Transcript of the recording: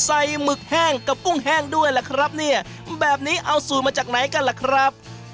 หมึกแห้งกับกุ้งแห้งด้วยล่ะครับเนี่ยแบบนี้เอาสูตรมาจากไหนกันล่ะครับ